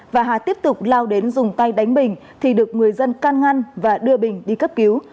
và hà tiếp tục lao đến dùng tay đánh bình thì được người dân can ngăn và đưa bình đi cấp cứu